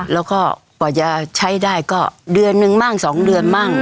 แล้วก็กว่าจะใช้ได้ก็เดือนหนึ่งมั่ง๒เดือนมั่ง